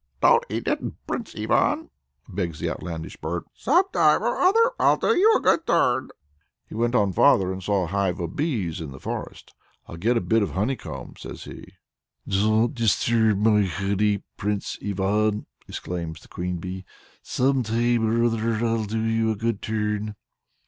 "Don't eat it, Prince Ivan!" begs the outlandish bird; "some time or other I'll do you a good turn." He went on farther and saw a hive of bees in the forest. "I'll get a bit of honeycomb," says he. "Don't disturb my honey, Prince Ivan!" exclaims the queen bee; "some time or other I'll do you a good turn."